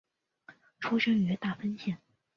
出身于大分县。